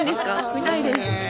見たいです。